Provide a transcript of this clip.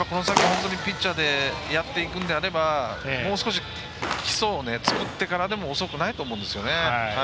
本当にピッチャーでやっていくんであればもう少し、基礎を作ってからでも遅くないと思うんですよね。